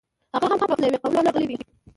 هغه هم فقط له یوه قوله راغلی دی.